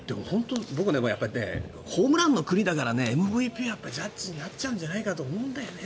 僕はホームランの国だからＭＶＰはジャッジになっちゃうんじゃないかと思うんだよね。